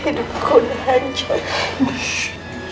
hidupku dah hancur